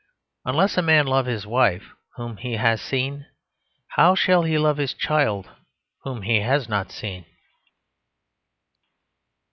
Unless a man love his wife whom he has seen, how shall he love his child whom he has not seen?